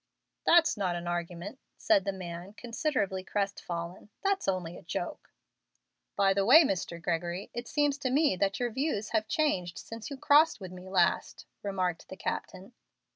"That's not an argument," said the man, considerably crestfallen. "That's only a joke." "By the way, Mr. Gregory, it seems to me that your views have changed since you crossed with me last," remarked the captain.